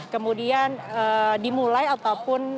kemudian dimulai ataupun